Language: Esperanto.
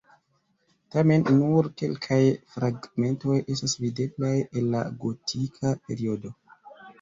Tamen nur kelkaj fragmentoj estas videblaj el la gotika periodo.